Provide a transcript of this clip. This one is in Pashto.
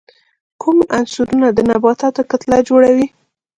کوم عنصرونه د نباتاتو کتله جوړي؟